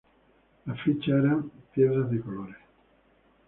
Las fichas eran piedras de colores.